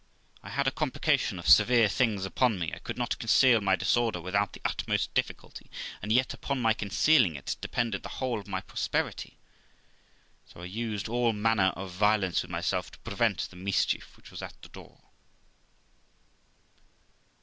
I had a complication of severe things upon me, I could not conceal my disorder without the utmost difficulty, and yet upon my concealing it depended the whole of my prosperity; so I used all manner of violence with myself to prevent the mischief which was at the door.